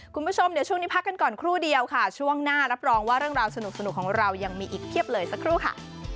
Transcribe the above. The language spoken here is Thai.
คุณผู้ชมเดี๋ยวช่วงนี้พักกันก่อนครู่เดียวค่ะช่วงหน้ารับรองว่าเรื่องราวสนุกของเรายังมีอีกเพียบเลยสักครู่ค่ะ